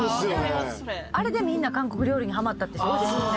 あれでみんな韓国料理にはまったって人多いですよね。